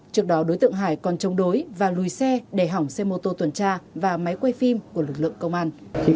trước đó đối tượng hải còn chống đối và lùi xe để hỏng xe mô tô tuần tra và máy quay phim của lực lượng công an